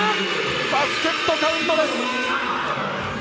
バスケットカウントです！